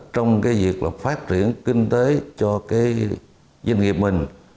trong cái việc là phát triển kinh tế cho cái doanh nghiệp mình